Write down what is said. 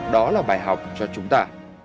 đó là bài học cho chúng ta